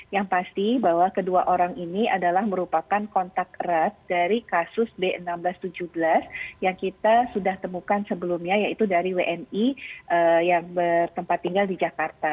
yang pasti bahwa kedua orang ini adalah merupakan kontak erat dari kasus b enam belas tujuh belas yang kita sudah temukan sebelumnya yaitu dari wni yang bertempat tinggal di jakarta